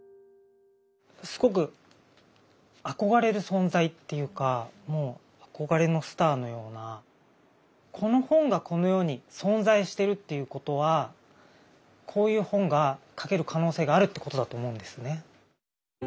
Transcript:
すごく憧れる存在っていうかもう憧れのスターのようなこの本がこの世に存在してるっていうことはこういう本が描ける可能性があるってことだと思うんですね。